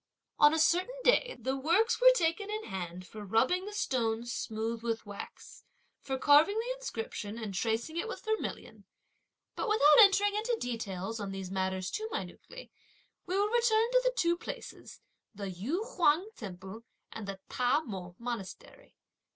On a certain day, the works were taken in hand for rubbing the stones smooth with wax, for carving the inscription, and tracing it with vermilion, but without entering into details on these matters too minutely, we will return to the two places, the Yu Huang temple and the Ta Mo monastery.